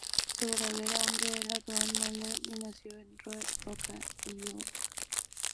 Su verdadero nombre era Duane Maloney, y nació en Red Oak, Iowa.